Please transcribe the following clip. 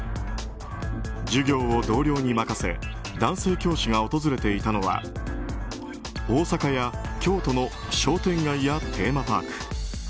授業を同僚に任せ男性教師が訪れていたのは大阪や京都の商店街やテーマパーク。